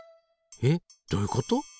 えっどういうこと？